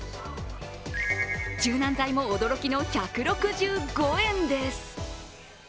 柔軟剤も驚きの１６５円です。